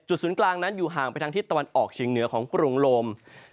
ศูนย์กลางนั้นอยู่ห่างไปทางทิศตะวันออกเชียงเหนือของกรุงโลม